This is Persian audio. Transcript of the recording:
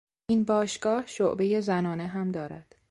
این باشگاه شعبهی زنانه هم دارد.